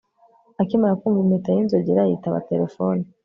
akimara kumva impeta y'inzogera, yitaba telefoni